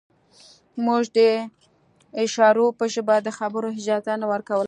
موږ د اشارو په ژبه د خبرو اجازه نه ورکوله